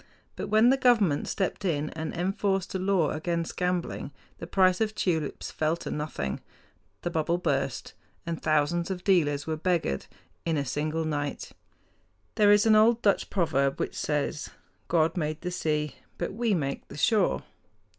But when the government stepped in and enforced a law against gambling the price of tulips fell to nothing. The bubble burst, and thousands of dealers were beggared in a single night. There is an old Dutch proverb which says, "God made the sea; but we make the shore."